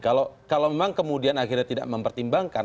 kalau memang kemudian akhirnya tidak mempertimbangkan